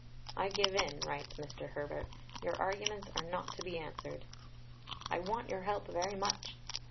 "I give in," writes Mr. Herbert; "your arguments are not to be answered." "I want your help very much."